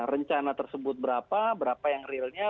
rencana tersebut berapa berapa yang realnya